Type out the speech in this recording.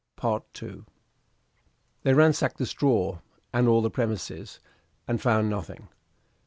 CHAPTER II They ransacked the straw, and all the premises, and found nothing.